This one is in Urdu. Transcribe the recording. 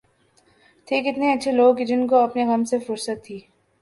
تھے کتنے اچھے لوگ کہ جن کو اپنے غم سے فرصت تھی